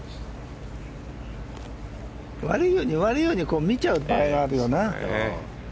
悪いように悪いように見ちゃうところがあるよな。